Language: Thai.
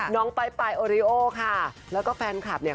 น้องปลายปลายโอเรโอค่ะแล้วก็แฟนคลับเนี้ย